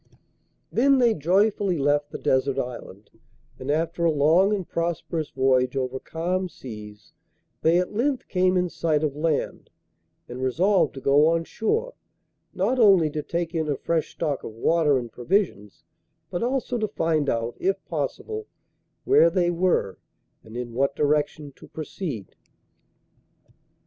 Then they joyfully left the desert island, and after a long and prosperous voyage over calm seas they at length came in sight of land, and resolved to go on shore, not only to take in a fresh stock of water and provisions, but also to find out, if possible, where they were and in what direction to proceed.